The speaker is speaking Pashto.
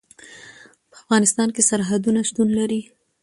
په افغانستان کې سرحدونه شتون لري.